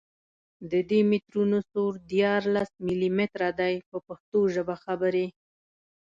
د دي مترونو سور دیارلس ملي متره دی په پښتو ژبه خبرې.